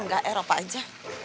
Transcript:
enggak eropa aja